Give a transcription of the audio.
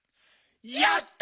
やった！